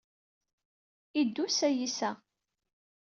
Idus ayyis a.